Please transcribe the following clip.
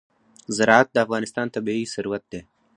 زراعت د افغانستان طبعي ثروت دی.